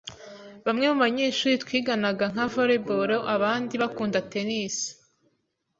Bamwe mubanyeshuri twiganaga nka volley ball abandi bakunda tennis.